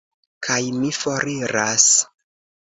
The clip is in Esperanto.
Kaj mi foriras.